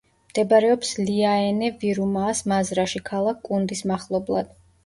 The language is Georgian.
მდებარეობს ლიაენე-ვირუმაას მაზრაში, ქალაქ კუნდის მახლობლად.